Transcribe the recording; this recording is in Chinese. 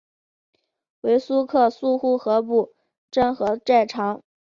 为苏克素护河部沾河寨长。